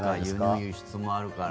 輸入、輸出もあるから。